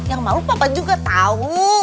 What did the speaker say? yang malu papa juga tahu